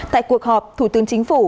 tại cuộc họp thủ tướng chính phủ